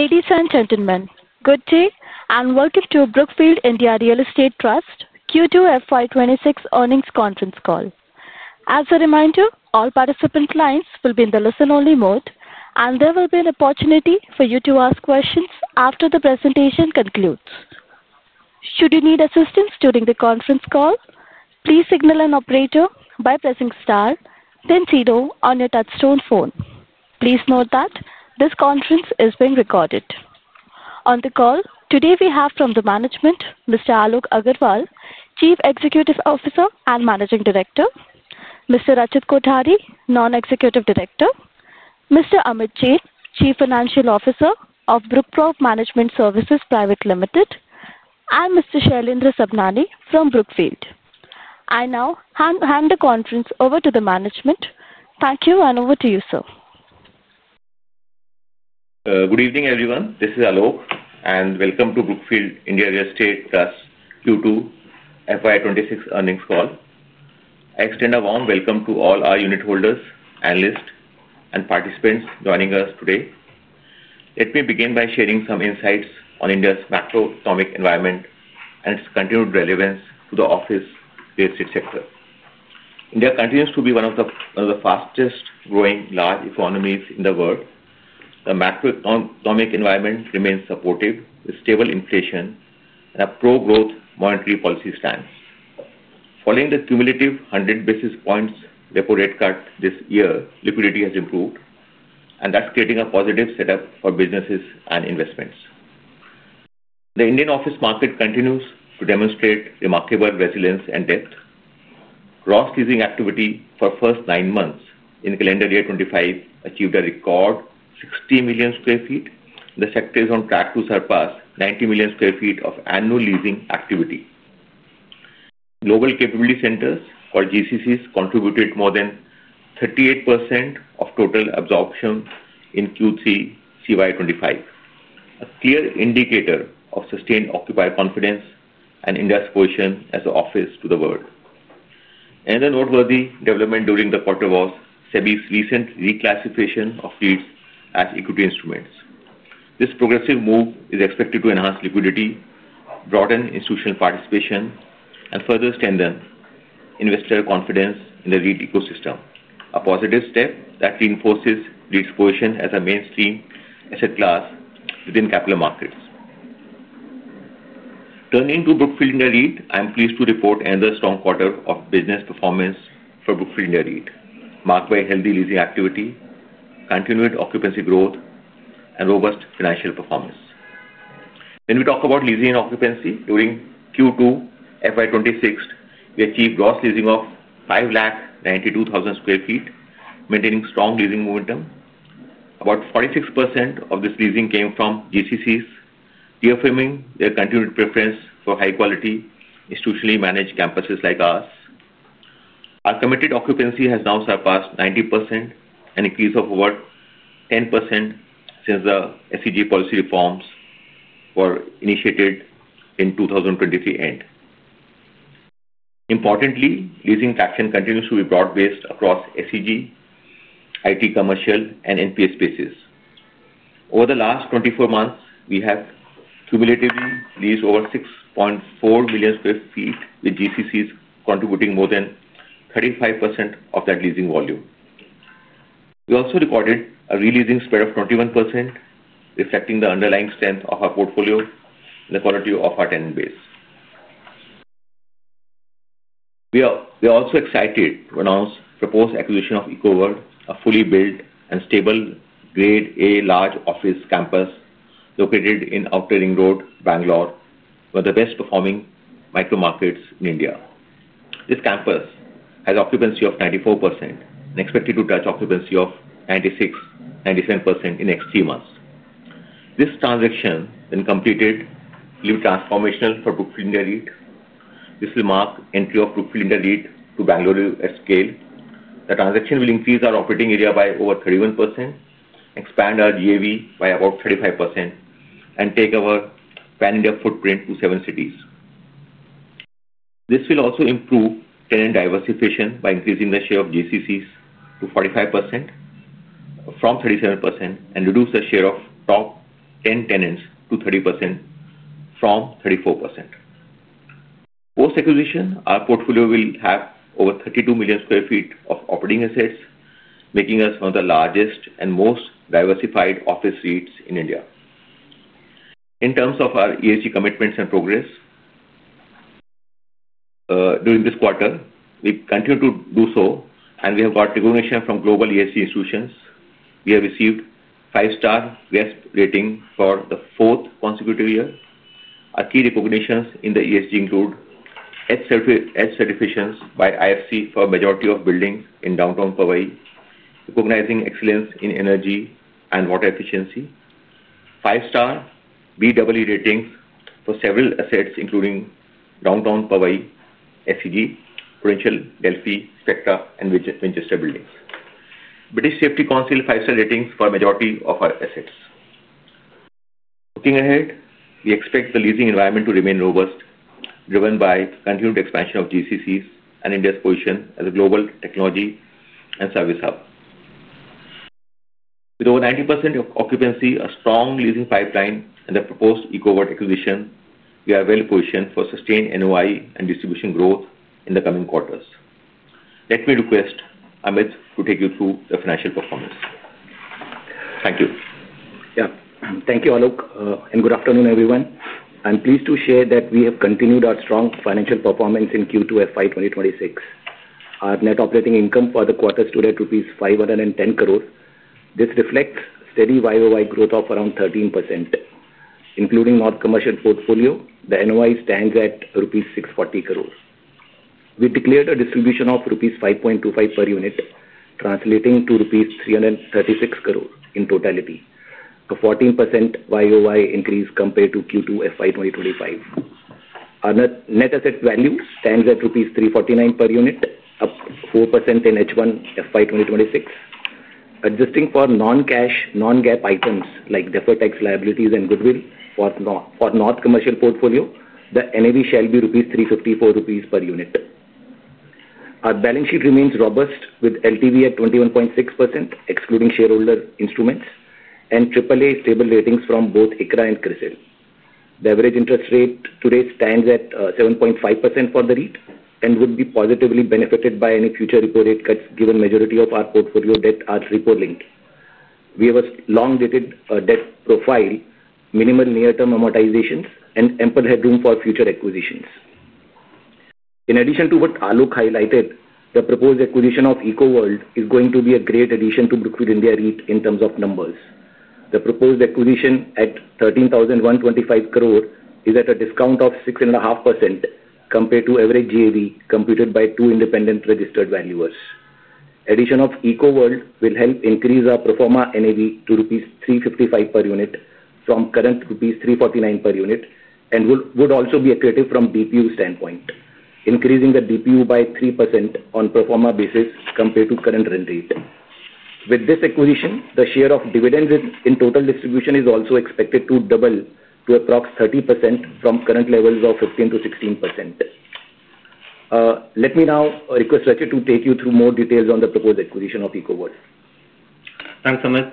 Ladies and gentlemen, good day and welcome to Brookfield India Real Estate Trust Q2 FY 2026 earnings conference call. As a reminder, all participant lines will be in the listen-only mode, and there will be an opportunity for you to ask questions after the presentation concludes. Should you need assistance during the conference call, please signal an operator by pressing star then zero on your touchstone phone. Please note that this conference is being recorded. On the call today, we have from the management, Mr. Alok Agarwal, Chief Executive Officer and Managing Director; Mr. Rachit Kothari, Non-Executive Director; Mr. Amit Jain, Chief Financial Officer of Brookfield Management Services Pvt Ltd; and Mr. Shailendra Sabhnani from Brookfield. I now hand the conference over to the management. Thank you, and over to you, sir. Good evening, everyone. This is Alok, and welcome to Brookfield India Real Estate Trust Q2 FY 2026 earnings call. I extend a warm welcome to all our unit holders, analysts, and participants joining us today. Let me begin by sharing some insights on India's macroeconomic environment and its continued relevance to the office real estate sector. India continues to be one of the fastest-growing large economies in the world. The macroeconomic environment remains supportive with stable inflation and a pro-growth monetary policy stance. Following the cumulative 100 basis points repo rate cut this year, liquidity has improved, and that's creating a positive setup for businesses and investments. The Indian office market continues to demonstrate remarkable resilience and depth. Gross leasing activity for the first nine months in calendar year 2025 achieved a record 60 million sq ft, and the sector is on track to surpass 90 million sq ft of annual leasing activity. Global capability centers, called GCCs, contributed more than 38% of total absorption in Q3 FY 2025. A clear indicator of sustained occupier confidence and India's position as an office to the world. Another noteworthy development during the quarter was SEBI's recent reclassification of REITs as equity instruments. This progressive move is expected to enhance liquidity, broaden institutional participation, and further strengthen investor confidence in the REIT ecosystem, a positive step that reinforces REIT's position as a mainstream asset class within capital markets. Turning to Brookfield India REIT, I'm pleased to report another strong quarter of business performance for Brookfield India REIT, marked by healthy leasing activity, continued occupancy growth, and robust financial performance. When we talk about leasing and occupancy during Q2 FY 2026, we achieved gross leasing of 5,992,000 sq ft, maintaining strong leasing momentum. About 46% of this leasing came from GCCs, reaffirming their continued preference for high-quality, institutionally managed campuses like ours. Our committed occupancy has now surpassed 90% and increased by over 10% since the SEZ policy reforms were initiated in 2023 end. Importantly, leasing traction continues to be broad-based across SEZ, IT commercial, and NPS spaces. Over the last 24 months, we have cumulatively leased over 6.4 million sq ft, with GCCs contributing more than 35% of that leasing volume. We also recorded a re-leasing spread of 21%, reflecting the underlying strength of our portfolio and the quality of our tenant base. We are also excited to announce the proposed acquisition of Ecoworld, a fully built and stable Grade A large office campus located in Outer Ring Road, Bangalore, one of the best-performing micro markets in India. This campus has an occupancy of 94% and is expected to touch an occupancy of 96%-97% in the next three months. This transaction when completed will be transformational for Brookfield India REIT. This will mark the entry of Brookfield India REIT to Bangalore at scale. The transaction will increase our operating area by over 31%, expand our GAV by about 35%, and take our pan-India footprint to seven cities. This will also improve tenant diversification by increasing the share of GCCs to 45% from 37% and reduce the share of top 10 tenants to 30% from 34%. Post-acquisition, our portfolio will have over 32 million sq ft of operating assets, making us one of the largest and most diversified office REITs in India. In terms of our ESG commitments and progress, during this quarter, we continue to do so, and we have got recognition from global ESG institutions. We have received a five-star GRESB rating for the fourth consecutive year. Our key recognitions in the ESG include EDGE certifications by IFC for the majority of buildings in Downtown Powai, recognizing excellence in energy and water efficiency. Five-star BEE ratings for several assets, including Downtown Powai, SEZ, Prudential, Delphi, Spectra, and Winchester buildings. British Safety Council five-star ratings for the majority of our assets. Looking ahead, we expect the leasing environment to remain robust, driven by the continued expansion of GCCs and India's position as a global technology and service hub. With over 90% of occupancy, a strong leasing pipeline, and the proposed Ecoworld acquisition, we are well-positioned for sustained NOI and distribution growth in the coming quarters. Let me request Amit to take you through the financial performance. Thank you. Yeah. Thank you, Alok. And good afternoon, everyone. I'm pleased to share that we have continued our strong financial performance in Q2 FY 2026. Our net operating income for the quarter stood at rupees 510 crore. This reflects steady YoY growth of around 13%. Including our commercial portfolio, the NOI stands at rupees 640 crore. We declared a distribution of rupees 5.25 per unit, translating to rupees 336 crore in totality, a 14% YoY increase compared to Q2 FY 2025. Our net asset value stands at rupees 349 per unit, up 4% in H1 FY 2026. Adjusting for non-cash, non-GAAP items like deferred tax liabilities and goodwill for the north commercial portfolio, the NAV shall be 354 rupees per unit. Our balance sheet remains robust, with LTV at 21.6%, excluding shareholder instruments, and AAA stable ratings from both ICRA and CRISIL. The average interest rate today stands at 7.5% for the REIT and would be positively benefited by any future repo rate cuts, given the majority of our portfolio debt are repo-linked. We have a long-dated debt profile, minimal near-term amortizations, and ample headroom for future acquisitions. In addition to what Alok highlighted, the proposed acquisition of Ecoworld is going to be a great addition to Brookfield India REIT in terms of numbers. The proposed acquisition at 13,125 crore is at a discount of 6.5% compared to the average GAV computed by two independent registered valuers. The addition of Ecoworld will help increase our proforma NAV to rupees 355 per unit from current rupees 349 per unit and would also be accurate from the DPU standpoint, increasing the DPU by 3% on a proforma basis compared to the current rent rate. With this acquisition, the share of dividends in total distribution is also expected to double to approximately 30% from current levels of 15%-16%. Let me now request Rachit to take you through more details on the proposed acquisition of Ecoworld. Thanks, Amit.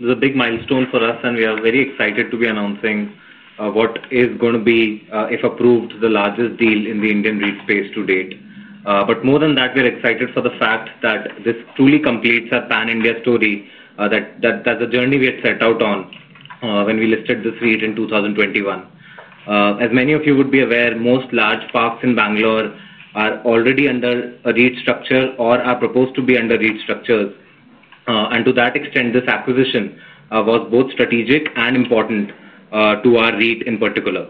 This is a big milestone for us, and we are very excited to be announcing what is going to be, if approved, the largest deal in the Indian REIT space to date. More than that, we are excited for the fact that this truly completes our pan-India story, that the journey we had set out on when we listed this REIT in 2021. As many of you would be aware, most large parks in Bangalore are already under a REIT structure or are proposed to be under REIT structures. To that extent, this acquisition was both strategic and important to our REIT in particular.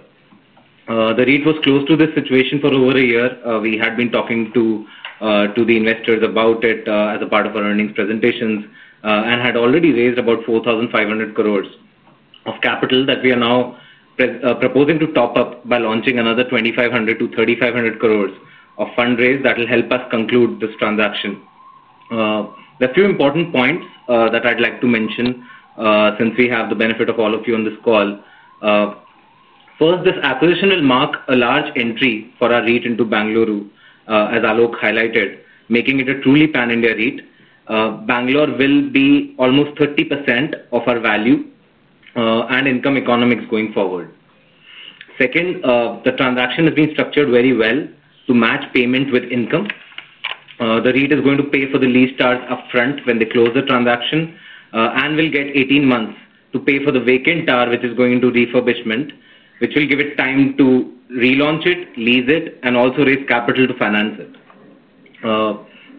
The REIT was close to this situation for over a year. We had been talking to the investors about it as a part of our earnings presentations and had already raised about 4,500 crore of capital that we are now. Proposing to top up by launching another 2,500 crore-3,500 crore of fundraise that will help us conclude this transaction. There are a few important points that I'd like to mention. Since we have the benefit of all of you on this call. First, this acquisition will mark a large entry for our REIT into Bangalore, as Alok highlighted, making it a truly pan-India REIT. Bangalore will be almost 30% of our value and income economics going forward. Second, the transaction has been structured very well to match payment with income. The REIT is going to pay for the lease tars upfront when they close the transaction and will get 18 months to pay for the vacant tar, which is going into refurbishment, which will give it time to relaunch it, lease it, and also raise capital to finance it.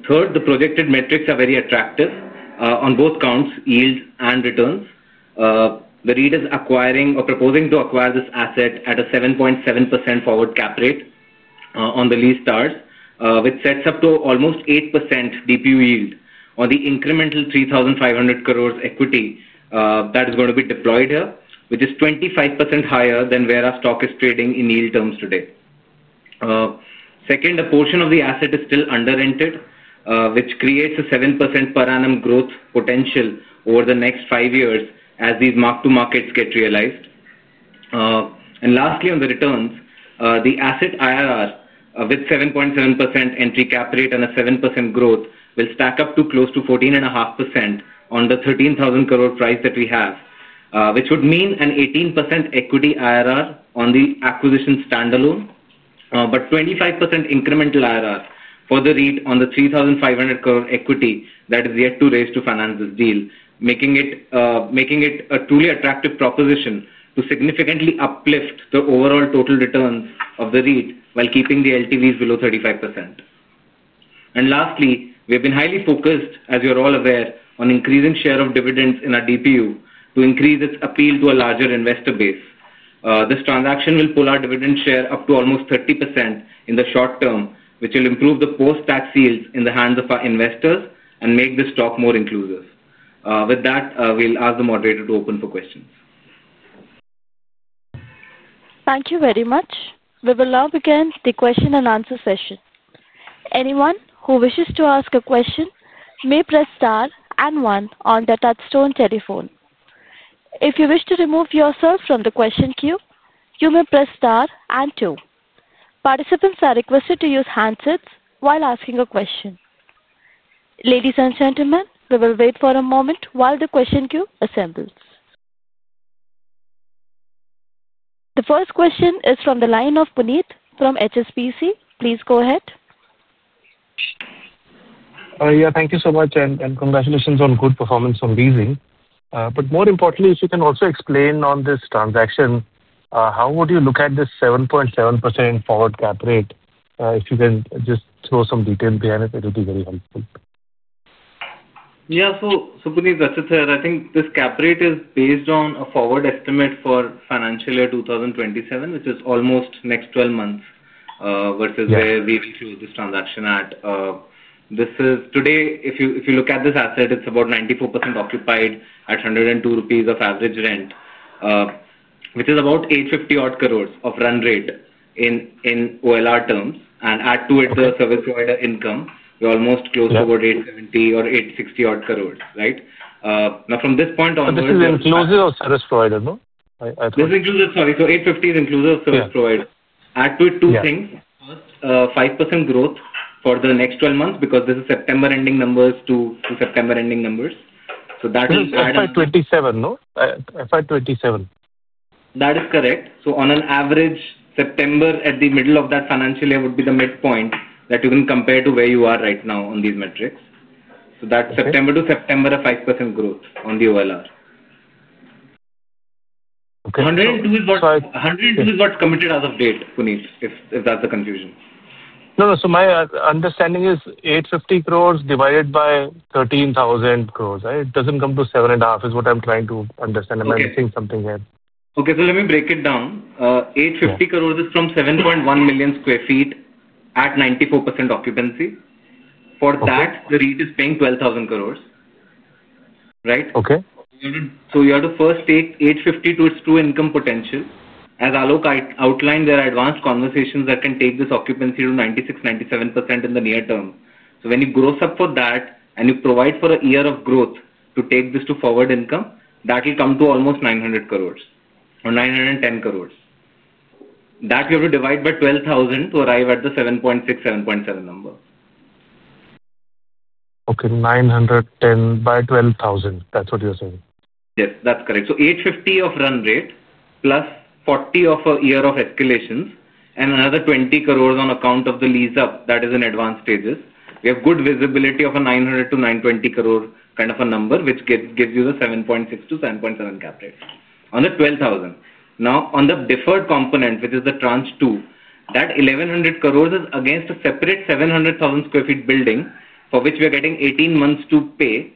Third, the projected metrics are very attractive on both counts, yields and returns. The REIT is acquiring or proposing to acquire this asset at a 7.7% forward cap rate on the lease tars, which sets up to almost 8% DPU yield on the incremental 3,500 crore equity that is going to be deployed here, which is 25% higher than where our stock is trading in yield terms today. Second, a portion of the asset is still under-rented, which creates a 7% per annum growth potential over the next five years as these mark-to-markets get realized. Lastly, on the returns, the asset IRR with a 7.7% entry cap rate and a 7% growth will stack up to close to 14.5% on the 13,000 crore price that we have, which would mean an 18% equity IRR on the acquisition standalone, but 25% incremental IRR for the REIT on the 3,500 crore equity that is yet to raise to finance this deal, making it a truly attractive proposition to significantly uplift the overall total returns of the REIT while keeping the LTVs below 35%. Lastly, we have been highly focused, as you are all aware, on increasing the share of dividends in our DPU to increase its appeal to a larger investor base. This transaction will pull our dividend share up to almost 30% in the short term, which will improve the post-tax yields in the hands of our investors and make the stock more inclusive. With that, we'll ask the moderator to open for questions. Thank you very much. We will now begin the question-and-answer session. Anyone who wishes to ask a question may press star and one on the touchstone telephone. If you wish to remove yourself from the question queue, you may press star and two. Participants are requested to use handsets while asking a question. Ladies and gentlemen, we will wait for a moment while the question queue assembles. The first question is from the line of Puneet from HSBC. Please go ahead. Yeah, thank you so much, and congratulations on good performance from leasing. More importantly, if you can also explain on this transaction, how would you look at this 7.7% forward cap rate? If you can just throw some details behind it, it would be very helpful. Yeah, so Puneet, that's it. I think this cap rate is based on a forward estimate for financial year 2027, which is almost the next 12 months versus where we will close this transaction at. Today, if you look at this asset, it's about 94% occupied at 102 rupees of average rent. Which is about 8.5 billion of run rate in OLR terms. And add to it the service provider income. We're almost close to about 8.7 billion or 8.6 billion, right? Now, from this point onwards. This is inclusive of service provider, no? This is inclusive, sorry. So 850 is inclusive of service provider. Add to it two things. First, 5% growth for the next 12 months because this is September ending numbers to September ending numbers. So that is. This is FY 2027, no? FY 2027. That is correct. On average, September at the middle of that financial year would be the midpoint that you can compare to where you are right now on these metrics. That is September to September, a 5% growth on the OLR. Okay. 102 is what's committed as of date, Puneet, if that's the confusion. No, no. So my understanding is 850 crore divided by 13,000 crore, right? It doesn't come to 750 is what I'm trying to understand. I'm missing something here. Okay, so let me break it down. 850 crore is from 7.1 million sq ft at 94% occupancy. For that, the REIT is paying 12,000 crore. Right? Okay. You have to first take 850 crore to its true income potential. As Alok outlined, there are advanced conversations that can take this occupancy to 96%-97% in the near term. When you gross up for that and you provide for a year of growth to take this to forward income, that will come to almost 900 crore or 910 crore. That you have to divide by 12,000 crore to arrive at the 7.6%-7.7% number. Okay, 910 by 12,000. That's what you're saying? Yes, that's correct. So 850 crore of run rate plus 40 crore of a year of escalations and another 20 crore on account of the lease up that is in advanced stages. We have good visibility of a 900 crore-920 crore kind of a number, which gives you the 7.6%-7.7% cap rate on the 12,000 crore. Now, on the deferred component, which is the tranche two, that 1,100 crore is against a separate 700,000 sq ft building for which we are getting 18 months to pay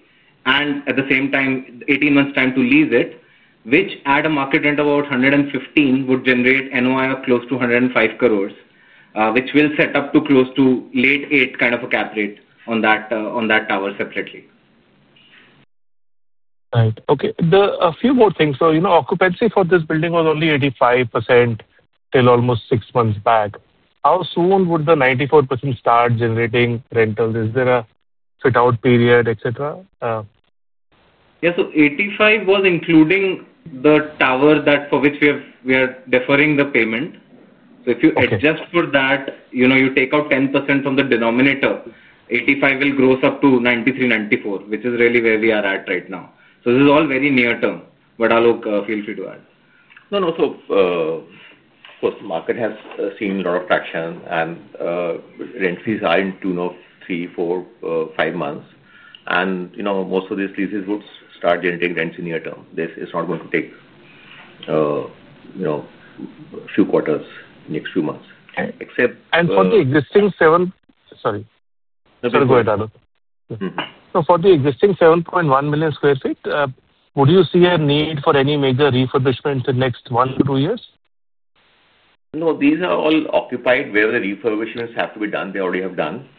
and at the same time 18 months' time to lease it, which at a market rent of about 115 per sq ft would generate NOI of close to 105 crore, which will set up to close to late eight kind of a cap rate on that tower separately. Right. Okay. A few more things. Occupancy for this building was only 85% till almost six months back. How soon would the 94% start generating rentals? Is there a fit-out period, etc.? Yeah, so 85,000 was including the tower for which we are deferring the payment. If you adjust for that, you take out 10% from the denominator, 85,000 will gross up to 93,000-94,000, which is really where we are at right now. This is all very near term. What Alok feels you to add? No, no. Of course, the market has seen a lot of traction, and rent fees are in tune of three, four, five months. Most of these leases would start generating rents in near term. This is not going to take a few quarters, next few months. Except. For the existing seven—sorry. No, go ahead, Alok. For the existing 7.1 million sq ft, would you see a need for any major refurbishment in the next one to two years? No, these are all occupied where the refurbishments have to be done. They already have done.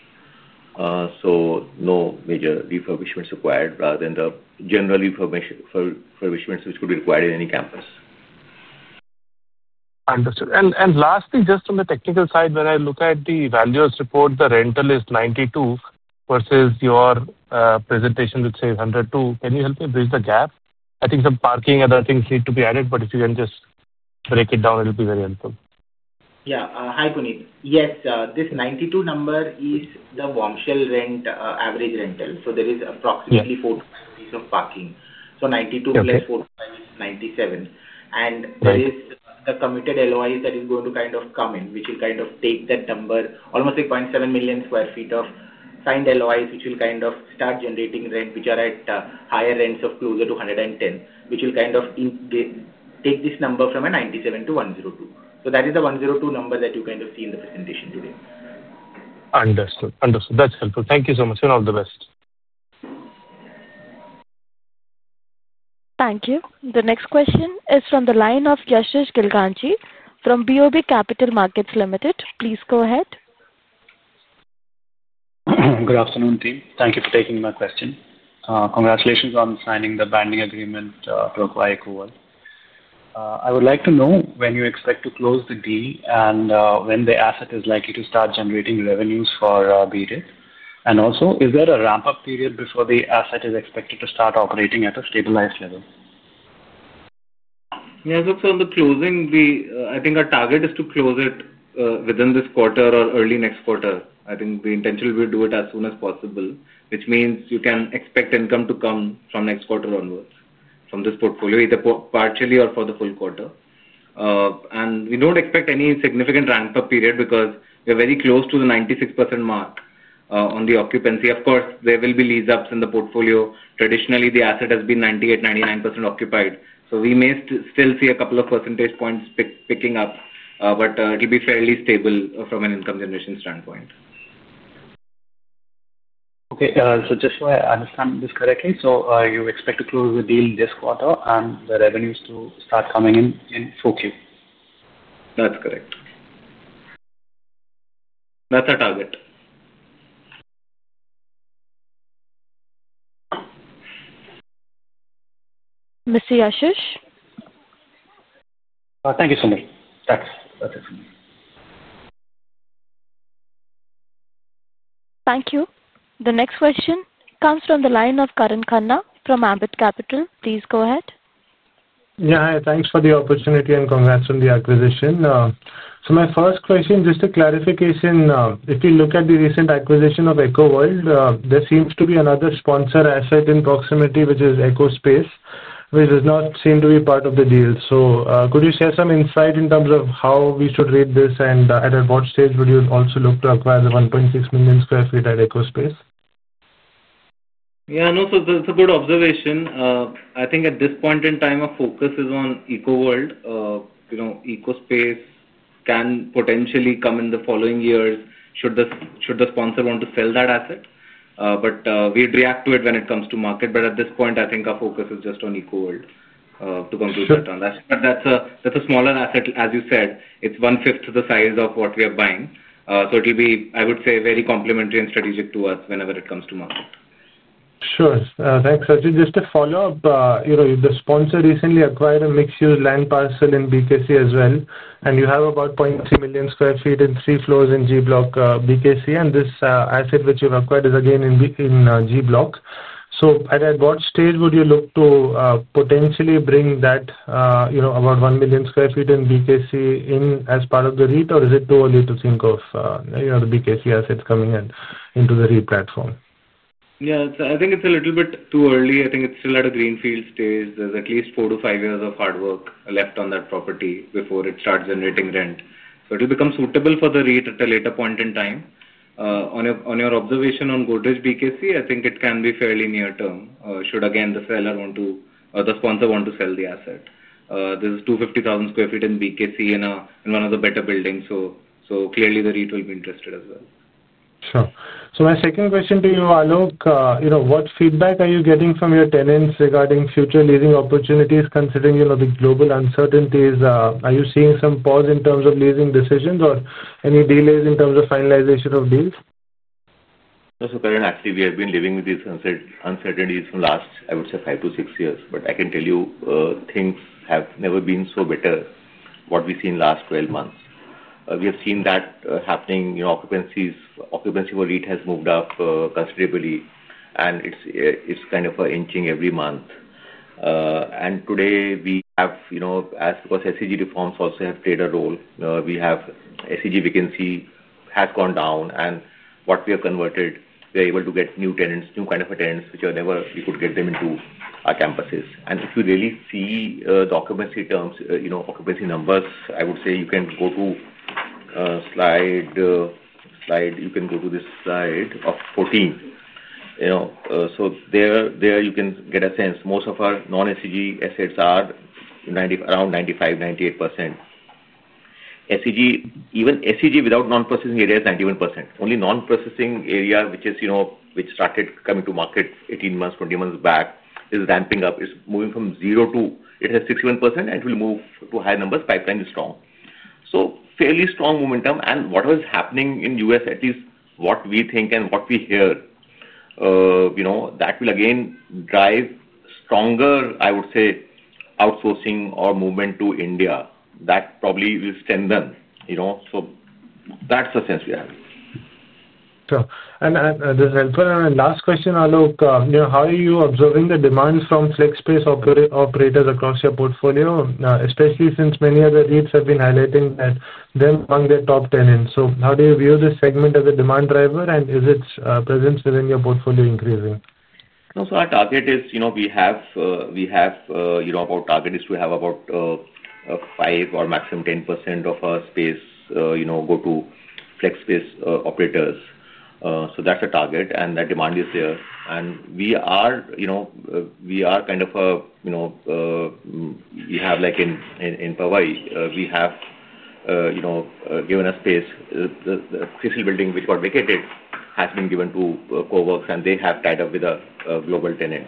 So no major refurbishments required rather than the general refurbishments which could be required in any campus. Understood. Lastly, just on the technical side, when I look at the values report, the rental is 92,000 versus your presentation would say 102,000. Can you help me bridge the gap? I think some parking and other things need to be added, but if you can just break it down, it will be very helpful. Yeah. Hi, Puneet. Yes, this 92,000 number is the warm shell rent average rental. There is approximately 45,000 of parking. 92,000 + 45,000 is 97,000. There are the committed LOIs that are going to kind of come in, which will kind of take that number, almost like 0.7 million sq ft of signed LOIs, which will kind of start generating rent, which are at higher rents of closer to 110,000, which will kind of take this number from 97,000 to 102,000. That is the 102,000 number that you kind of see in the presentation today. Understood. Understood. That's helpful. Thank you so much. You're all the best. Thank you. The next question is from the line of [Yashish Gilganshi] from BOB Capital Markets Ltd. Please go ahead. Good afternoon, team. Thank you for taking my question. Congratulations on signing the binding agreement to acquire Ecoworld. I would like to know when you expect to close the deal and when the asset is likely to start generating revenues for BIRET. Also, is there a ramp-up period before the asset is expected to start operating at a stabilized level? Yes, so on the closing, I think our target is to close it within this quarter or early next quarter. I think the intention will be to do it as soon as possible, which means you can expect income to come from next quarter onwards from this portfolio, either partially or for the full quarter. We do not expect any significant ramp-up period because we are very close to the 96% mark on the occupancy. Of course, there will be lease-ups in the portfolio. Traditionally, the asset has been 98%-99% occupied. We may still see a couple of percentage points picking up, but it will be fairly stable from an income generation standpoint. Okay. So just so I understand this correctly, you expect to close the deal this quarter and the revenues to start coming in in full Q4? That's correct. That's our target. Mr. [Yashish]? Thank you, Sunil. That's it for me. Thank you. The next question comes from the line of Karan Khanna from Ambit Capital. Please go ahead. Yeah, thanks for the opportunity and congrats on the acquisition. My first question, just a clarification. If you look at the recent acquisition of Ecoworld, there seems to be another sponsor asset in proximity, which is Ecospace, which does not seem to be part of the deal. Could you share some insight in terms of how we should read this and at what stage would you also look to acquire the 1.6 million sq ft at Ecospace? Yeah, no, so that's a good observation. I think at this point in time, our focus is on Ecoworld. Ecospace can potentially come in the following years should the sponsor want to sell that asset. We'd react to it when it comes to market. At this point, I think our focus is just on Ecoworld to conclude that on. That's a smaller asset, as you said. It's one-fifth the size of what we are buying. It will be, I would say, very complementary and strategic to us whenever it comes to market. Sure. Thanks, Rachit. Just to follow up, the sponsor recently acquired a mixed-use land BKC as well. You have about 0.3 million sq ft in three floors in G-Block, BKC. This asset, which you have acquired, is again in G-Block. At what stage would you look to potentially bring that about 1 million sq ft BKC in as part of the REIT, or is it too early to think BKC assets coming into the REIT platform? Yeah, I think it's a little bit too early. I think it's still at a greenfield stage. There's at least four to five years of hard work left on that property before it starts generating rent. It will become suitable for the REIT at a later point in time. On your observation on Godrej, BKC, I think it can be fairly near term should, again, the seller want to or the sponsor want to sell the asset. There's 250,000 sq ft in BKC in one of the better buildings. Clearly, the REIT will be interested as well. Sure. My second question to you, Alok, what feedback are you getting from your tenants regarding future leasing opportunities, considering the global uncertainties? Are you seeing some pause in terms of leasing decisions or any delays in terms of finalization of deals? Yes, so currently, we have been living with these uncertainties for the last, I would say, five to six years. I can tell you things have never been so better what we've seen in the last 12 months. We have seen that happening. Occupancy for REIT has moved up considerably, and it's kind of inching every month. Today, we have, as SEZ reforms also have played a role, SEZ vacancy has gone down. What we have converted, we are able to get new tenants, new kind of tenants, which we could get them into our campuses. If you really see the occupancy terms, occupancy numbers, I would say you can go to slide. You can go to this slide of 14. There you can get a sense. Most of our non-SEZ assets are around 95%-98%. Even SEZ without non-processing area is 91%. Only non-processing area, which started coming to market 18 months, 20 months back, is ramping up. It's moving from zero to it has 61%, and it will move to higher numbers. Pipeline is strong. Fairly strong momentum. What was happening in the U.S., at least what we think and what we hear, that will, again, drive stronger, I would say, outsourcing or movement to India. That probably will strengthen. That's the sense we have. Sure. This is helpful. My last question, Alok, how are you observing the demands from flex-based operators across your portfolio, especially since many of the REITs have been highlighting them among their top tenants? How do you view this segment as a demand driver, and is its presence within your portfolio increasing? No, our target is to have about 5% or maximum 10% of our space go to flex-based operators. That is a target, and that demand is there. We have, like in Powai, given a space. The flex-based building which got vacated has been given to COWRKS, and they have tied up with a global tenant.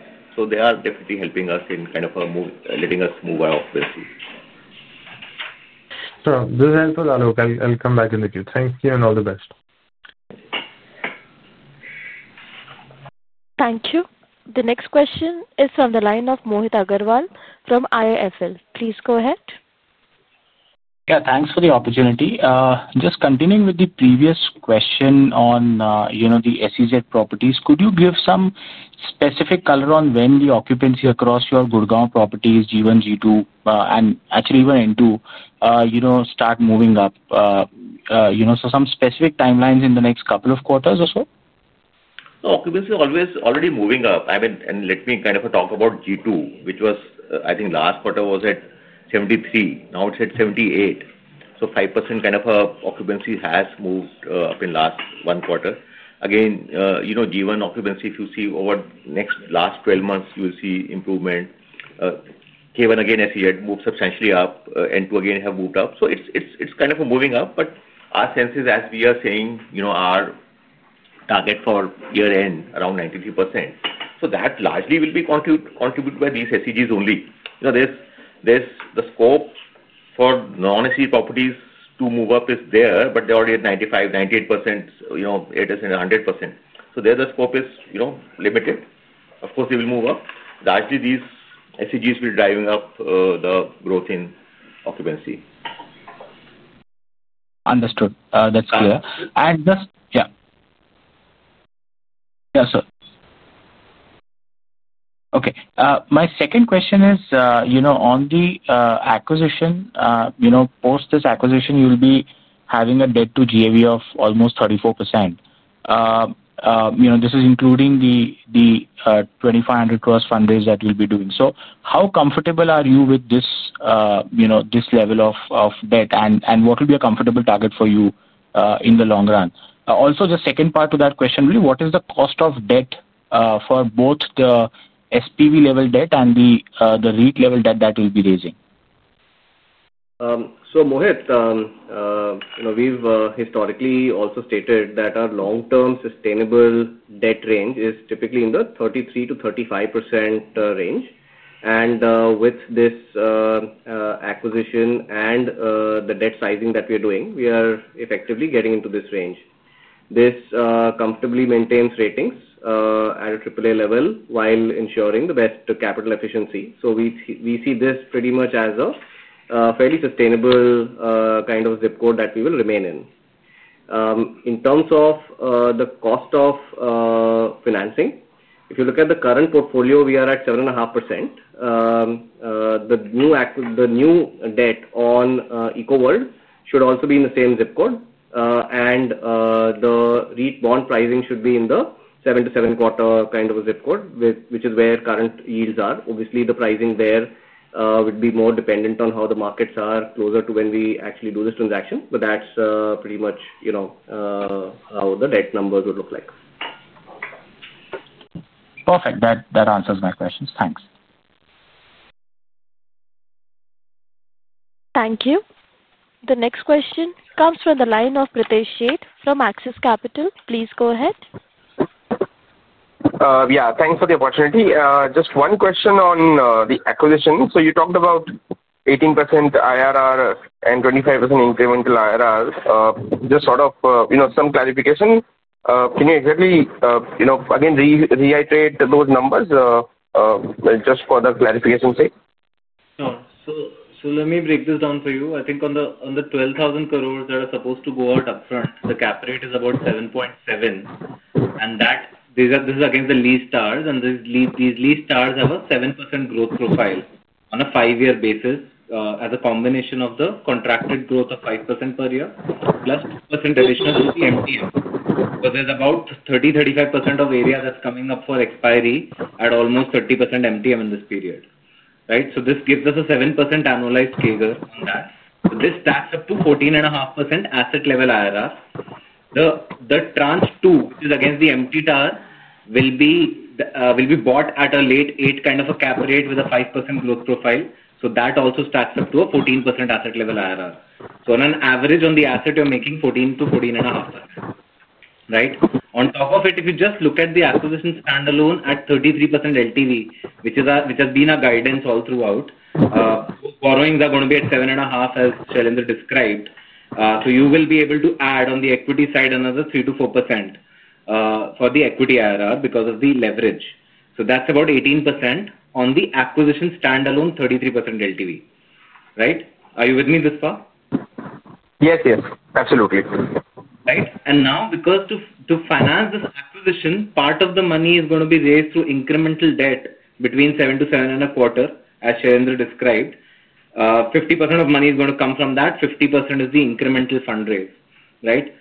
They are definitely helping us in letting us move our office too. Sure. This is helpful, Alok. I'll come back in a few. Thank you and all the best. Thank you. The next question is from the line of Mohit Agrawal from IIFL. Please go ahead. Yeah, thanks for the opportunity. Just continuing with the previous question on the SEZ properties, could you give some specific color on when the occupancy across your Gurugram properties, G1, G2, and actually even N2, start moving up? Some specific timelines in the next couple of quarters or so? Occupancy is always already moving up. I mean, let me kind of talk about G2, which was, I think, last quarter was at 73%. Now it's at 78%. So 5% kind of occupancy has moved up in the last one quarter. Again, G1 occupancy, if you see over the last 12 months, you will see improvement. K1, again, SEZ moved substantially up. N2, again, has moved up. It is kind of moving up. Our sense is, as we are saying, our target for year-end is around 93%. That largely will be contributed by these SEZs only. The scope for non-SEZ properties to move up is there, but they are already at 95%, 98%, 80%, 100%. There the scope is limited. Of course, they will move up. Largely, these SEZs will be driving up the growth in occupancy. Understood. That's clear. Yeah, sir. Okay. My second question is, on the acquisition, post this acquisition, you'll be having a debt to GAV of almost 34%. This is including the 2,500 million fundraise that you'll be doing. How comfortable are you with this level of debt, and what will be a comfortable target for you in the long run? Also, the second part to that question, really, what is the cost of debt for both the SPV-level debt and the REIT-level debt that you'll be raising? Mohit, we've historically also stated that our long-term sustainable debt range is typically in the 33%-35% range. With this acquisition and the debt sizing that we are doing, we are effectively getting into this range. This comfortably maintains ratings at a AAA level while ensuring the best capital efficiency. We see this pretty much as a fairly sustainable kind of zip code that we will remain in. In terms of the cost of financing, if you look at the current portfolio, we are at 7.5%. The new debt on Ecoworld should also be in the same zip code. The REIT bond pricing should be in the 7%-7.25% kind of a zip code, which is where current yields are. Obviously, the pricing there would be more dependent on how the markets are closer to when we actually do this transaction. That's pretty much how the debt numbers would look like. Perfect. That answers my questions. Thanks. Thank you. The next question comes from the line of Pratheesh Sheth from Axis Capital. Please go ahead. Yeah. Thanks for the opportunity. Just one question on the acquisition. You talked about 18% IRR and 25% incremental IRR. Just sort of some clarification. Can you exactly, again, reiterate those numbers? Just for clarification's sake? Sure. Let me break this down for you. I think on the 12,000 crores that are supposed to go out upfront, the cap rate is about 7.7%. This is against the lease stars. These lease stars have a 7% growth profile on a five-year basis as a combination of the contracted growth of 5% per year +2% additional to the MTM. There is about 30%-35% of area that is coming up for expiry at almost 30% MTM in this period. Right? This gives us a 7% annualized CAGR on that. This stacks up to 14.5% asset-level IRR. The tranche two, which is against the MT tier, will be bought at a late eight kind of a cap rate with a 5% growth profile. That also stacks up to a 14% asset-level IRR. On an average, on the asset, you're making 14%-14.5%. Right? On top of it, if you just look at the acquisition standalone at 33% LTV, which has been our guidance all throughout. Borrowings are going to be at 7.5%, as Shailendra described. You will be able to add on the equity side another 3%-4% for the equity IRR because of the leverage. That's about 18% on the acquisition standalone, 33% LTV. Right? Are you with me, this far? Yes, yes. Absolutely. Right? Now, because to finance this acquisition, part of the money is going to be raised through incremental debt between 7-7.25%, as Shailendra described. 50% of money is going to come from that. 50% is the incremental fundraise. Right?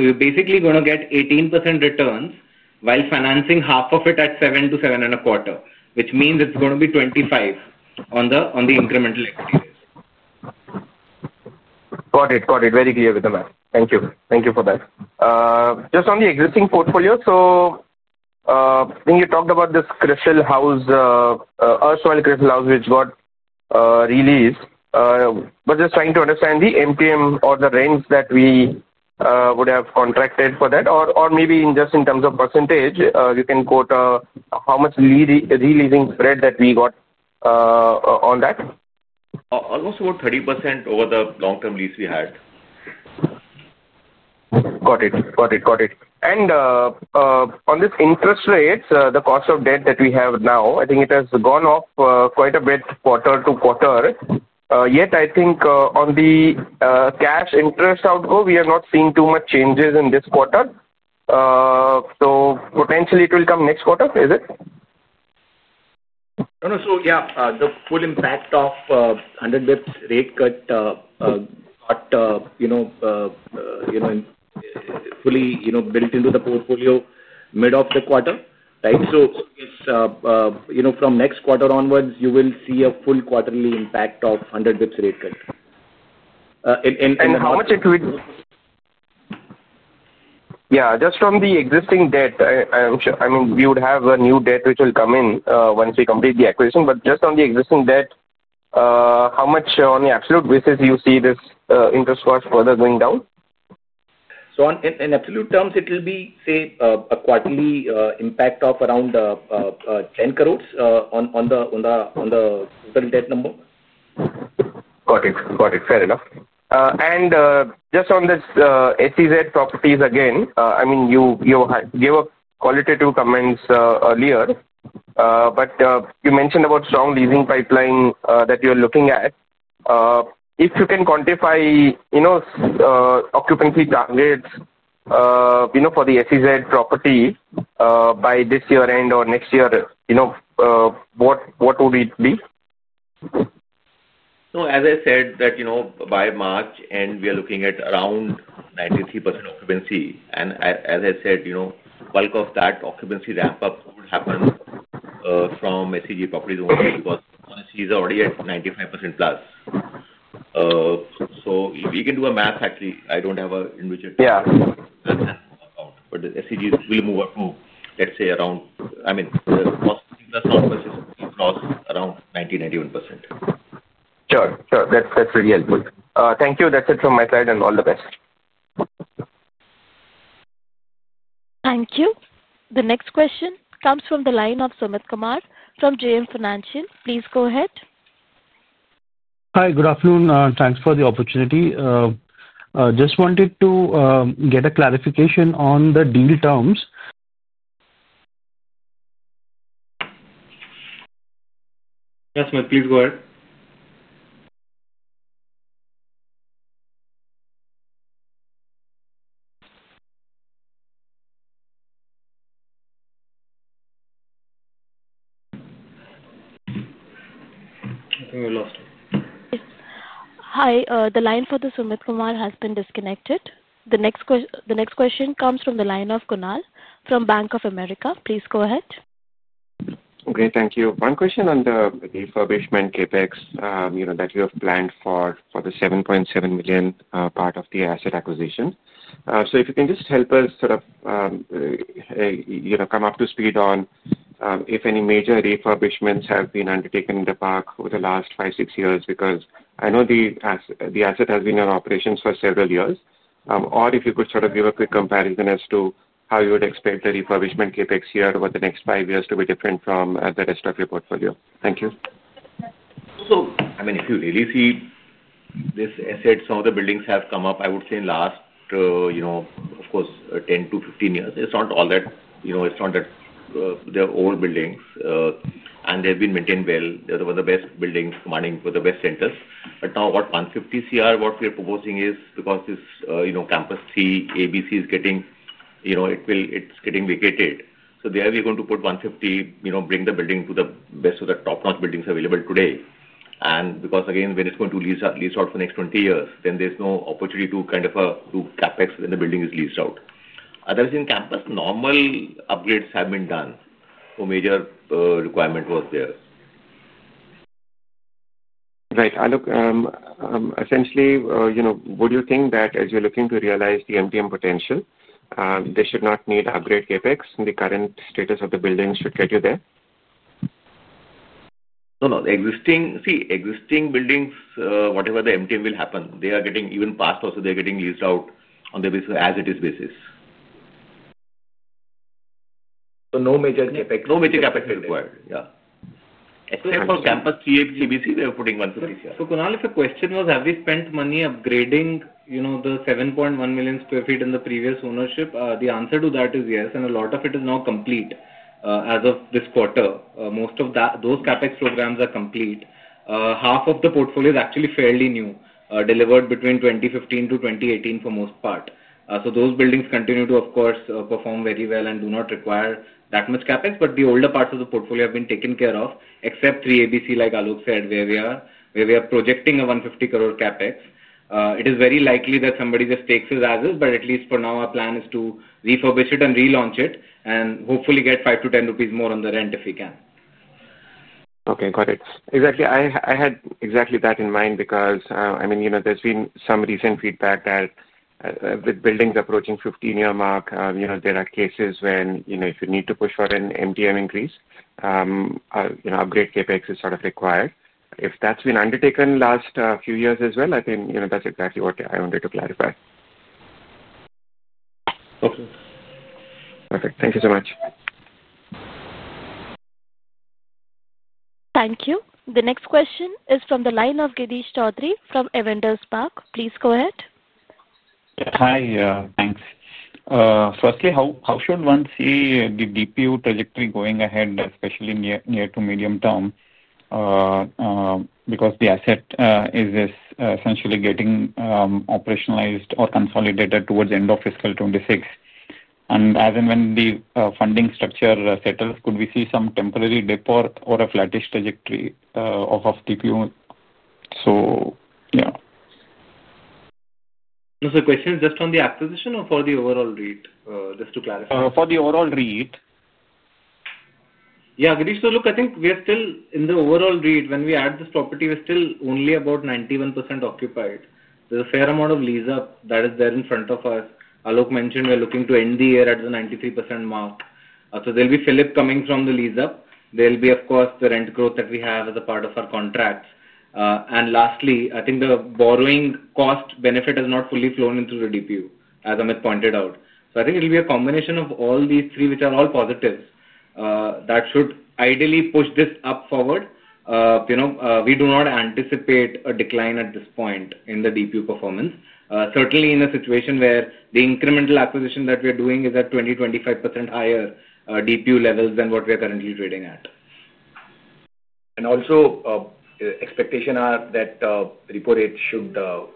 You are basically going to get 18% returns while financing half of it at 7-7.25%, which means it is going to be 25% on the incremental equity rate. Got it. Got it. Very clear with the math. Thank you. Thank you for that. Just on the existing portfolio, I think you talked about this Earth Soil Crystal House, which got released. Just trying to understand the MTM or the range that we would have contracted for that. Or maybe just in terms of percentage, you can quote how much releasing spread that we got on that? Almost about 30% over the long-term lease we had. Got it. Got it. On this interest rate, the cost of debt that we have now, I think it has gone up quite a bit quarter to quarter. Yet, I think on the cash interest outgo, we are not seeing too much changes in this quarter. Potentially, it will come next quarter. Is it? No, no. So yeah, the full impact of 100 basis points rate cut. Got. Fully built into the portfolio mid of the quarter. Right? So from next quarter onwards, you will see a full quarterly impact of 100 basis points rate cut. How much equity? Yeah. Just from the existing debt, I mean, we would have a new debt which will come in once we complete the acquisition. Just on the existing debt, how much on the absolute basis do you see this interest cost further going down? In absolute terms, it will be, say, a quarterly impact of around 10 crore on the total debt number. Got it. Got it. Fair enough. Just on the SEZ properties, again, I mean, you gave qualitative comments earlier. You mentioned about strong leasing pipeline that you're looking at. If you can quantify. Occupancy targets for the SEZ property by this year-end or next year, what would it be? As I said, by March, we are looking at around 93% occupancy. As I said, bulk of that occupancy ramp-up would happen from SEZ properties only because SEZs are already at 95%+. If we can do a math, actually, I do not have an individual tool. Yeah. That's not out. The SEZs will move up to, let's say, around, I mean, the cost plus non-purchase will cross around 90%-91%. Sure. Sure. That's really helpful. Thank you. That's it from my side, and all the best. Thank you. The next question comes from the line of Sumitkumar from JM Financial. Please go ahead. Hi. Good afternoon. Thanks for the opportunity. Just wanted to get a clarification on the deal terms. Yes, sir. Please go ahead. I think we lost it. Yes. Hi. The line for Sumitkumar has been disconnected. The next question comes from the line of Kunal from Bank of America. Please go ahead. Okay. Thank you. One question on the refurbishment CapEx that you have planned for the 7.7 million part of the asset acquisition. If you can just help us sort of come up to speed on if any major refurbishments have been undertaken in the park over the last five, six years because I know the asset has been in operations for several years. Or if you could sort of give a quick comparison as to how you would expect the refurbishment CapEx here over the next five years to be different from the rest of your portfolio. Thank you. I mean, if you really see, this asset, some of the buildings have come up, I would say, in the last, of course, 10 years-15 years. It's not that they're old buildings, and they've been maintained well. They're one of the best buildings, the best centers. What 150 crore, what we're proposing is because this Campus C, ABC, is getting vacated. There we're going to put 150 crore, bring the building to the best of the top-notch buildings available today. Because, again, when it's going to lease out for the next 20 years, then there's no opportunity to kind of do CapEx when the building is leased out. Otherwise, in campus, normal upgrades have been done. No major requirement was there. Right. Alok, essentially, would you think that as you are looking to realize the MTM potential, they should not need upgrade CapEx? The current status of the buildings should get you there? No, no. See, existing buildings, whatever the MTM will happen, they are getting even past also, they're getting leased out on the basis of as-it-is basis. No major CapEx. No major CapEx is required. Yeah. Except for Campus CBC, they're putting 150 crore. Kunal, if a question was, have we spent money upgrading the 7.1 million sq ft in the previous ownership? The answer to that is yes. A lot of it is now complete as of this quarter. Most of those CapEx programs are complete. Half of the portfolio is actually fairly new, delivered between 2015-2018 for the most part. Those buildings continue to, of course, perform very well and do not require that much CapEx. The older parts of the portfolio have been taken care of, except 3ABC, like Alok said, where we are projecting a 150 crore CapEx. It is very likely that somebody just takes it as is. At least for now, our plan is to refurbish it and relaunch it and hopefully get 5-10 rupees more on the rent if we can. Okay. Got it. Exactly. I had exactly that in mind because, I mean, there's been some recent feedback that with buildings approaching the 15-year mark, there are cases when if you need to push for an MTM increase, upgrade CapEx is sort of required. If that's been undertaken in the last few years as well, I think that's exactly what I wanted to clarify. Okay. Perfect. Thank you so much. Thank you. The next question is from the line of [Gideesh Choudhary from Edelweiss Arc]. Please go ahead. Hi. Thanks. Firstly, how should one see the DPU trajectory going ahead, especially near to medium term? Because the asset is essentially getting operationalized or consolidated towards the end of fiscal 2026. As and when the funding structure settles, could we see some temporary dip or a flattish trajectory of DPU? Yeah. The question is just on the acquisition or for the overall REIT? Just to clarify. For the overall REIT. Yeah. Gideesh, so look, I think we are still in the overall REIT. When we add this property, we're still only about 91% occupied. There's a fair amount of lease-up that is there in front of us. Alok mentioned we're looking to end the year at the 93% mark. There'll be fillip coming from the lease-up. There'll be, of course, the rent growth that we have as a part of our contracts. Lastly, I think the borrowing cost benefit has not fully flown into the DPU, as Amit pointed out. I think it'll be a combination of all these three, which are all positives. That should ideally push this up forward. We do not anticipate a decline at this point in the DPU performance, certainly in a situation where the incremental acquisition that we're doing is at 20%-25% higher DPU levels than what we are currently trading at. Expectations are that the repo rate should go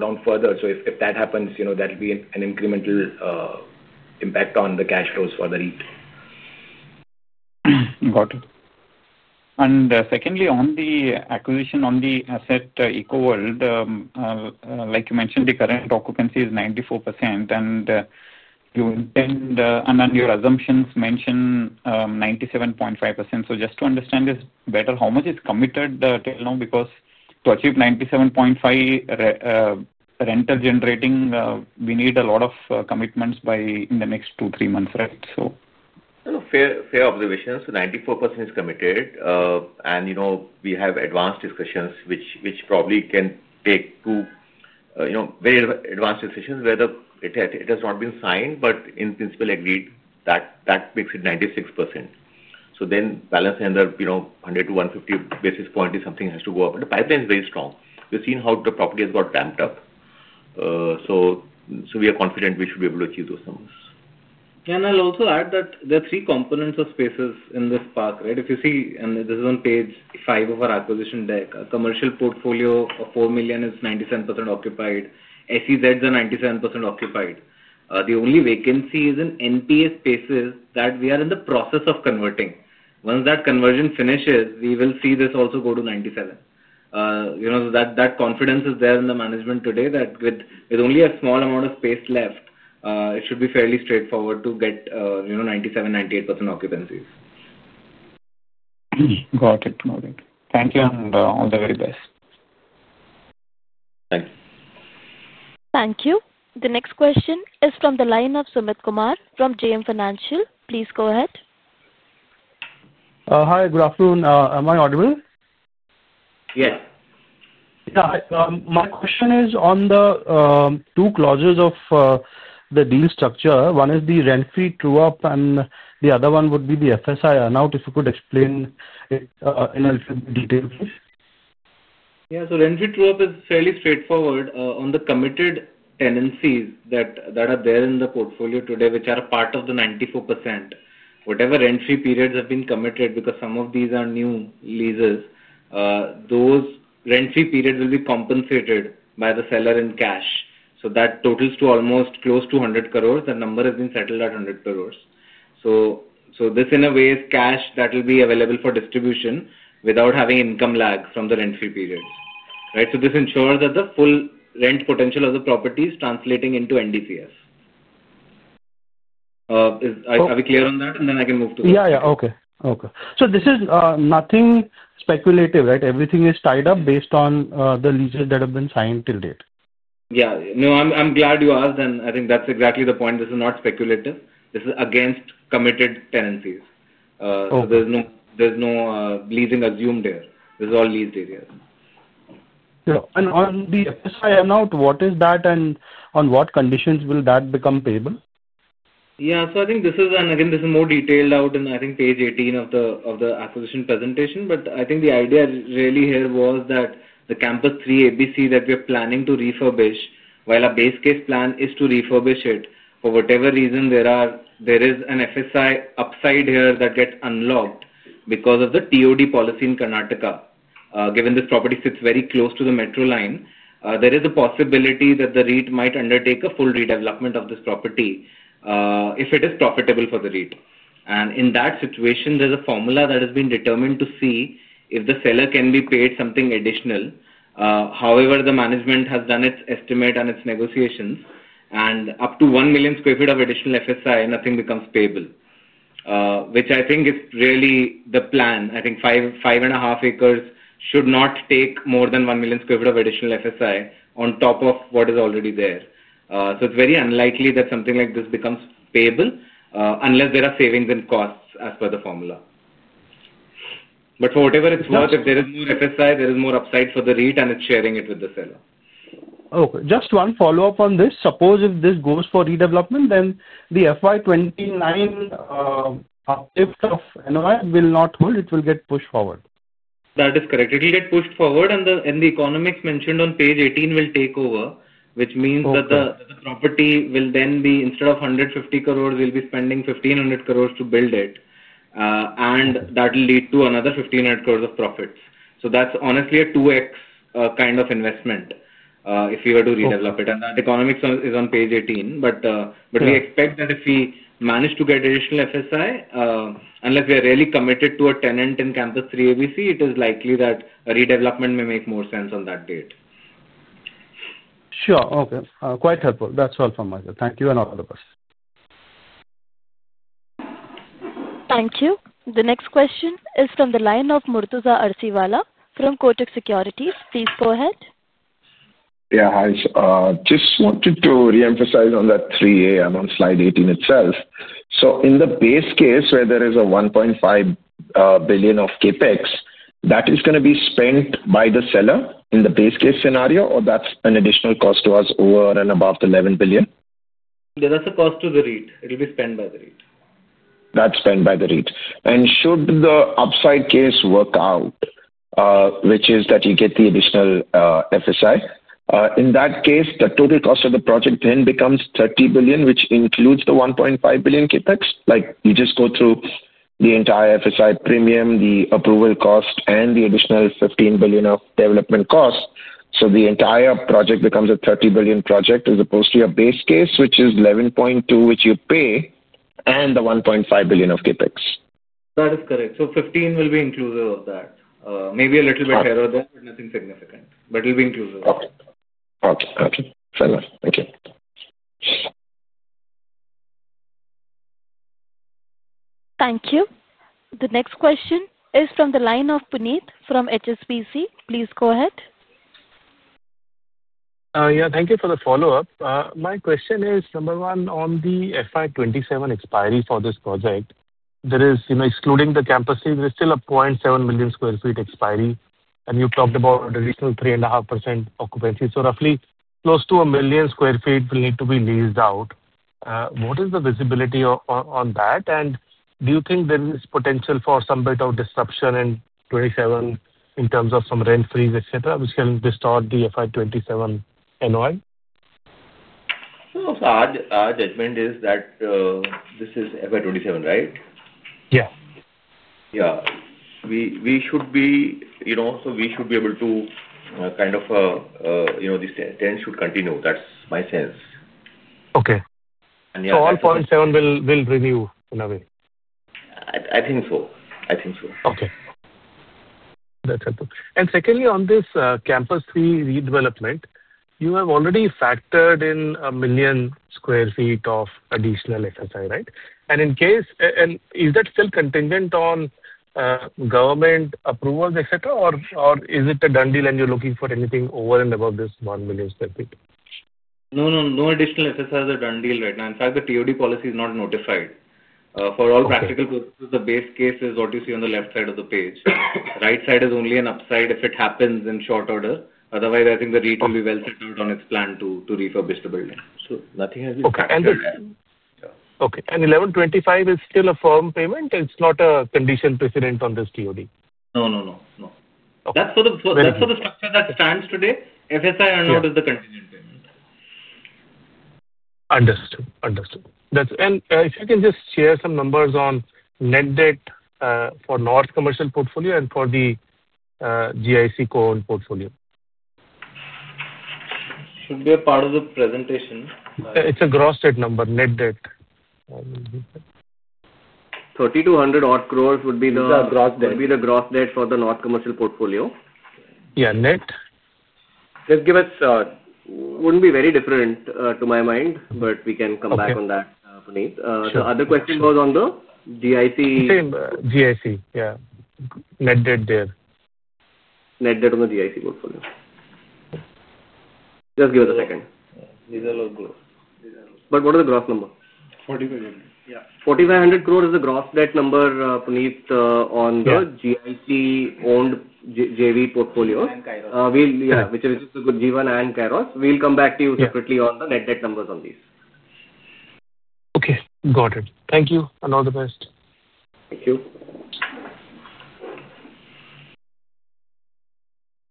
down further. If that happens, that'll be an incremental impact on the cash flows for the REIT. Got it. Secondly, on the acquisition, on the asset Ecoworld. Like you mentioned, the current occupancy is 94%. You intend, and on your assumptions, mention 97.5%. Just to understand this better, how much is committed till now? Because to achieve 97.5% rental generating, we need a lot of commitments in the next two to three months, right? Fair observation. 94% is committed. We have advanced discussions, which probably can take two. Very advanced discussions where it has not been signed, but in principle agreed. That makes it 96%. The balance, another 100 basis points-150 basis points, is something that has to go up. The pipeline is very strong. We have seen how the property has got ramped up. We are confident we should be able to achieve those numbers. Can I also add that there are three components of spaces in this park, right? If you see, and this is on page five of our acquisition deck, a commercial portfolio of 4 million is 97% occupied. SEZs are 97% occupied. The only vacancy is in NPA spaces that we are in the process of converting. Once that conversion finishes, we will see this also go to 97%. That confidence is there in the management today that with only a small amount of space left, it should be fairly straightforward to get 97-98% occupancies. Got it. Got it. Thank you. All the very best. Thanks. Thank you. The next question is from the line of Sumitkumar from JM Financial. Please go ahead. Hi. Good afternoon. Am I audible? Yes. Yeah. My question is on the two clauses of the deal structure. One is the rent-free true-up, and the other one would be the FSI earn-out. If you could explain it in a little bit detail, please. Yeah. Rent-free true-up is fairly straightforward on the committed tenancies that are there in the portfolio today, which are a part of the 94%. Whatever rent-free periods have been committed, because some of these are new leases, those rent-free periods will be compensated by the seller in cash. That totals to almost close to 200 crore. That number has been settled at 100 crore. This, in a way, is cash that will be available for distribution without having income lag from the rent-free periods. Right? This ensures that the full rent potential of the property is translating into NDCS. Are we clear on that? I can move to the next question. Yeah. Yeah. Okay. Okay. This is nothing speculative, right? Everything is tied up based on the leases that have been signed till date. Yeah. No, I'm glad you asked. I think that's exactly the point. This is not speculative. This is against committed tenancies. There's no leasing assumed here. This is all leased areas. Yeah. On the FSI earn-out, what is that, and on what conditions will that become payable? Yeah. I think this is, and again, this is more detailed out in, I think, page 18 of the acquisition presentation. I think the idea really here was that the Campus 3ABC that we are planning to refurbish, while our base case plan is to refurbish it, for whatever reason there is an FSI upside here that gets unlocked because of the TOD policy in Karnataka. Given this property sits very close to the metro line, there is a possibility that the REIT might undertake a full redevelopment of this property if it is profitable for the REIT. In that situation, there is a formula that has been determined to see if the seller can be paid something additional. However, the management has done its estimate and its negotiations. Up to 1 million sq ft of additional FSI, nothing becomes payable. Which I think is really the plan. I think five and a half acres should not take more than 1 million sq ft of additional FSI on top of what is already there. It is very unlikely that something like this becomes payable unless there are savings in costs as per the formula. For whatever it is worth, if there is more FSI, there is more upside for the REIT, and it is sharing it with the seller. Okay. Just one follow-up on this. Suppose if this goes for redevelopment, then the FY 2029 uplift of NOI will not hold. It will get pushed forward. That is correct. It will get pushed forward. The economics mentioned on page 18 will take over, which means that the property will then be, instead of 150 crore, we'll be spending 1,500 crore to build it. That will lead to another 1,500 crore of profits. That is honestly a 2x kind of investment if we were to redevelop it. That economics is on page 18. We expect that if we manage to get additional FSI, unless we are really committed to a tenant in Campus 3ABC, it is likely that a redevelopment may make more sense on that date. Sure. Okay. Quite helpful. That's all from my side. Thank you and all the best. Thank you. The next question is from the line of Murtuza Arsiwalla from Kotak Securities. Please go ahead. Yeah. Hi. Just wanted to re-emphasize on that 3A and on slide 18 itself. In the base case, where there is 1.5 billion of CapEx, that is going to be spent by the seller in the base case scenario, or that's an additional cost to us over and above the 11 billion? Yeah. That's a cost to the REIT. It'll be spent by the REIT. That's spent by the REIT. Should the upside case work out, which is that you get the additional FSI, in that case, the total cost of the project then becomes 30 billion, which includes the 1.5 billion CapEx. You just go through the entire FSI premium, the approval cost, and the additional 15 billion of development cost. The entire project becomes a 30 billion project as opposed to your base case, which is 11.2 billion, which you pay, and the 1.5 billion of CapEx. That is correct. Fifteen will be inclusive of that. Maybe a little bit higher there, but nothing significant. It will be inclusive. Okay. Okay. Fair enough. Thank you. Thank you. The next question is from the line of Puneet from HSBC. Please go ahead. Yeah. Thank you for the follow-up. My question is, number one, on the FY 2027 expiry for this project, excluding the Campus 3, there is still a 0.7 million sq ft expiry. You talked about an additional 3.5% occupancy. So roughly close to 1 million sq ft will need to be leased out. What is the visibility on that? Do you think there is potential for some bit of disruption in 2027 in terms of some rent freeze, etc., which can distort the FY 2027 NOI? Our judgment is that. This is FY 2027, right? Yeah. Yeah. We should be. We should be able to kind of. These tenants should continue. That's my sense. Okay. So all 0.7 will renew in a way? I think so. Okay. That's helpful. Secondly, on this Campus 3 redevelopment, you have already factored in 1 million sq ft of additional FSI, right? Is that still contingent on government approvals, etc., or is it a done deal and you're looking for anything over and above this 1 million sq ft? No, no. No additional FSI is a done deal right now. In fact, the TOD policy is not notified. For all practical purposes, the base case is what you see on the left side of the page. Right side is only an upside if it happens in short order. Otherwise, I think the REIT will be well set out on its plan to refurbish the building. Nothing has been confirmed. Okay. And 1,125 is still a firm payment? It's not a conditional precedent on this TOD? No, no, no. No. That is for the structure that stands today. FSI earn-out is the conditional payment. Understood. Understood. If you can just share some numbers on net debt for North Commercial portfolio and for the GIC Cohn portfolio. Should be a part of the presentation. It's a gross debt number. Net debt. 3,200 odd crores would be the. This is a gross debt. Would be the gross debt for the North Commercial portfolio. Yeah. Net. Just give us. Wouldn't be very different to my mind, but we can come back on that, Puneet. The other question was on the GIC. Same. GIC. Yeah. Net debt there. Net debt on the GIC portfolio. Just give us a second. These are not gross. What are the gross numbers? 4,500. Yeah. 4,500 crore is the gross debt number, Puneet, on the GIC-owned JV portfolio. Yeah. Which is G1 and Kairos. We'll come back to you separately on the net debt numbers on these. Okay. Got it. Thank you. All the best. Thank you.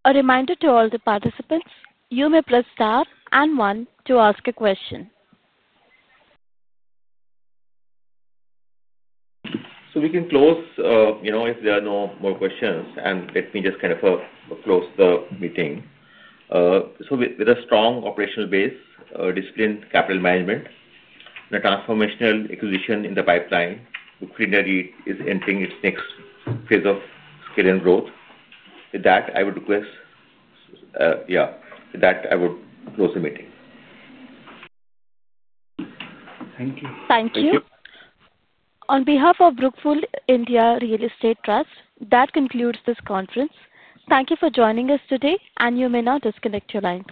A reminder to all the participants, you may press star and one to ask a question. We can close if there are no more questions. Let me just kind of close the meeting. With a strong operational base, disciplined capital management, and a transformational acquisition in the pipeline, Brookfield India Real Estate Trust is entering its next phase of scale and growth. With that, I would close the meeting. Thank you. Thank you. Thank you. On behalf of Brookfield India Real Estate Trust, that concludes this conference. Thank you for joining us today, and you may now disconnect your lines.